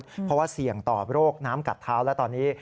เพราะว่าเสี่ยงต่อโรคน้ำกัดเท้าและตอนนี้